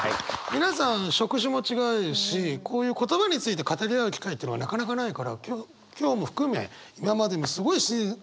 皆さん職種も違うしこういう言葉について語り合う機会っていうのはなかなかないから今日今日も含め今までもすごい。